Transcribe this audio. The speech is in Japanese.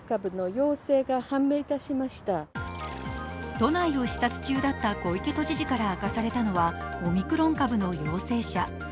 都内を視察中だった小池都知事から明かされたのは、オミクロン株の陽性者。